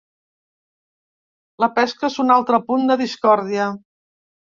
La pesca és un altre punt de discòrdia.